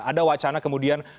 ada wacana kemudian menghilangkan